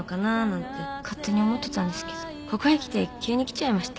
勝手に思ってたんですけどここにきて急にきちゃいました。